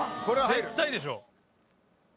絶対でしょ。